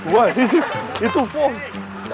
wah itu itu fall